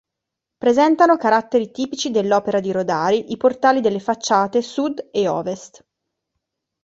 Presentano caratteri tipici dell'opera di Rodari i portali delle facciate sud e ovest.